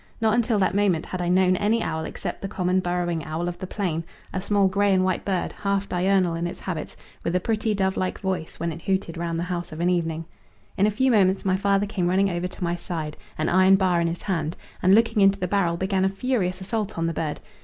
Not until that moment had I known any owl except the common burrowing owl of the plain, a small grey and white bird, half diurnal in its habits, with a pretty dove like voice when it hooted round the house of an evening. In a few moments my father came running over to my side, an iron bar in his hand, and looking into the barrel began a furious assault on the bird.